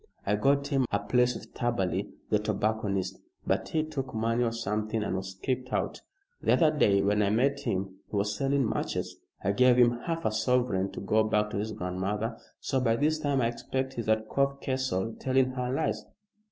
I got him a place with Taberley, the tobacconist, but he took money or something and was kicked out. The other day when I met him he was selling matches. I gave him half a sovereign to go back to his grandmother, so by this time I expect he's at Cove Castle telling her lies.